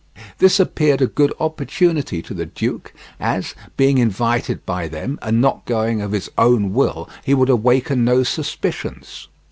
This appeared a good opportunity to the duke, as, being invited by them, and not going of his own will, he would awaken no suspicions.